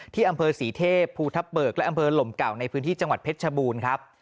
ที่อำเภอศรีเทพภูทับเบิกและอำเภอหลมเก่าในพื้นที่จังหวัดเพชรชบูรณ์ครับ